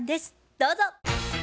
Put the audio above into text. どうぞ。